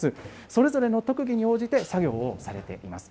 それぞれの特技に応じて、作業をされています。